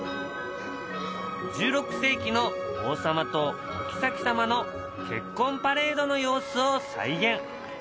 １６世紀の王様とおきさき様の結婚パレードの様子を再現。